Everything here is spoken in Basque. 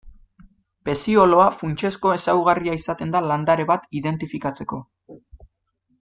Pezioloa funtsezko ezaugarria izaten da landare bat identifikatzeko.